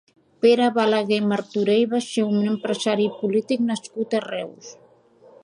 Pere Balagué Martorell va ser un empresari i polític nascut a Reus.